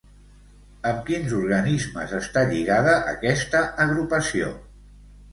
Amb quins organismes està lligada aquesta agrupació?